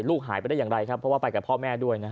ลูกหายไปได้อย่างไรครับเพราะว่าไปกับพ่อแม่ด้วยนะฮะ